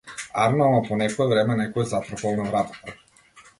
Арно ама по некое време некој затропал на вратата.